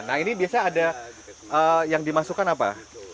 nah ini biasanya ada yang dimasukkan apa